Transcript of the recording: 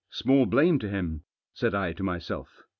"Small blame to him," said I to myself.